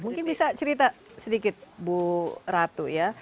mungkin bisa cerita sedikit bu ratu ya